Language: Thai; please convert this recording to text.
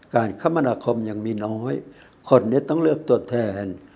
คมนาคมยังมีน้อยคนนี้ต้องเลือกตัวแทน